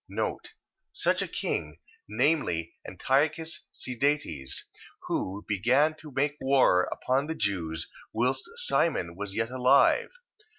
Such a king... Viz., Antiochus Sidetes, who began to make war upon the Jews, whilst Simon was yet alive.